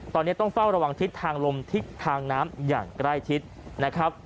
ตอนนี้ต้องเฝ้าระวังทิศทางลมทิศทางน้ำอย่างใกล้ชิดนะครับ